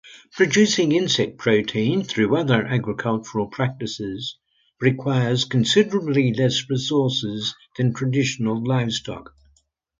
Producing insect protein through other agricultural practices requires considerably less resources than traditional livestock.